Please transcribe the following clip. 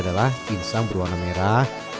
adalah kincang berwarna merah